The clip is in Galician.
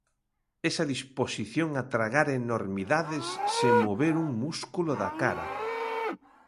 Esa disposición a tragar enormidades sen mover un músculo da cara.